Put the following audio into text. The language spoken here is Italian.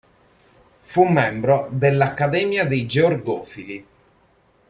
Fu membro dell'Accademia dei Georgofili.